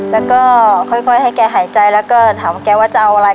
แล้วก็ค่อยให้แกหายใจแล้วก็ถามว่าแกว่าจะเอาอะไร